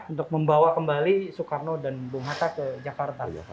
untuk membawa kembali soekarno dan bung hatta ke jakarta